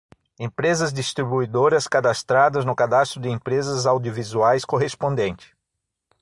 Empresas distribuidoras cadastradas no cadastro de empresas audiovisuais correspondente.